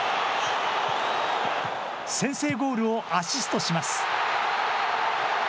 先制ゴールをアシストします。